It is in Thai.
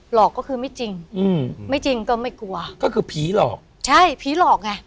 อกก็คือไม่จริงอืมไม่จริงก็ไม่กลัวก็คือผีหลอกใช่ผีหลอกไง